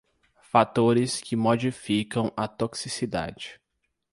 Fatores que modificam a toxicidade.